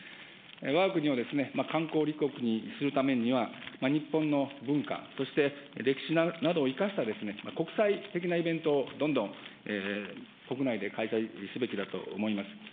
わが国を観光立国にするためには、日本の文化、そして歴史などを生かした国際的なイベントをどんどん国内で開催すべきだと思います。